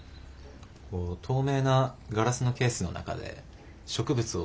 こう透明なガラスのケースの中で植物を。